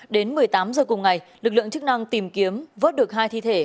đến một mươi tám h cùng ngày lực lượng chức năng tìm kiếm vớt được hai thi thể